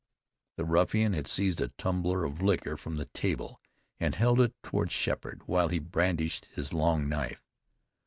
The ruffian had seized a tumbler of liquor from the table, and held it toward Sheppard while he brandished his long knife.